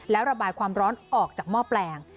แล้วระบายความร้อนออกจากหม้อแปลง